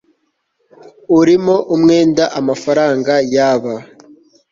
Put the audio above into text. urimo umwenda amafaranga yaba